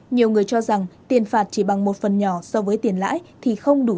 nhiều người cho rằng tiền phạt chỉ bằng một phần nhỏ so với tiền lãi